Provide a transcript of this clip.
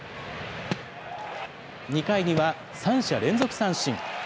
２回には３者連続三振。